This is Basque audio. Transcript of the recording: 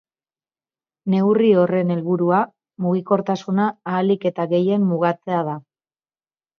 Neuri horren helburua mugikortasuna ahalik eta gehien mugatzea da.